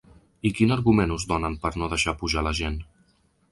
I quin argument us donen per no deixar pujar la gent?